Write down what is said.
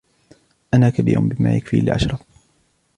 أنا كبير بما يكفي لأشرب.